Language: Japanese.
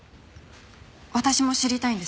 私も知りたいんです。